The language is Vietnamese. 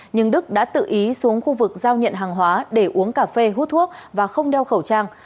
nhưng đức đã tự ý xuống khu vực giao nhận hàng hóa để uống cà phê hút thuốc và không đeo khẩu trang